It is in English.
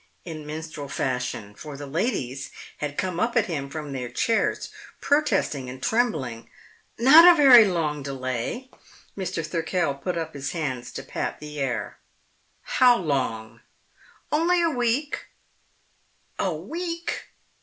in minstrel fashion, for the ladies had come up at him from their chairs, protesting and trembling. "Not a very long delay." Mr. Thirkell put up his hands to pat the air. "How long?" "Only a week." "A week!"